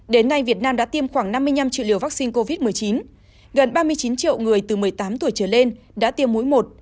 đến nay việt nam đã tiêm khoảng năm mươi năm triệu liều vaccine covid một mươi chín gần ba mươi chín triệu người từ một mươi tám tuổi trở lên đã tiêm mũi một